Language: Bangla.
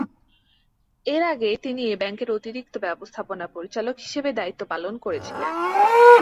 এর আগে তিনি এ ব্যাংকের অতিরিক্ত ব্যবস্থাপনা পরিচালক হিসেবে দায়িত্ব পালন করছিলেন।